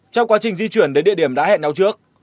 trong quá trình di chuyển đến địa điểm đã hẹn nhau trước